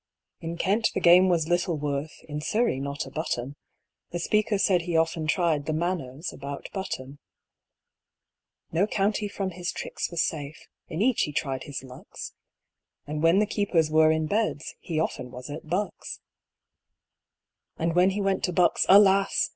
In Kent the game was little worth, In Surrey not a button; The Speaker said he often tried The Manors about Button. No county from his tricks was safe; In each he tried his lucks, And when the keepers were in Beds, He often was at Bucks. And when he went to Bucks, alas!